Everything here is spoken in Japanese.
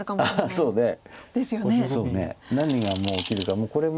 そうね何がもう起きるかこれも。